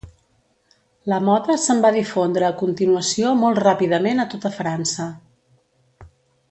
La moda se'n va difondre a continuació molt ràpidament a tota França.